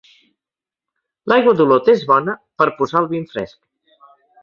L'aigua d'Olot és bona... per posar el vi en fresc.